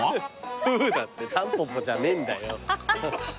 「フーッ」だってタンポポじゃねえんだよ。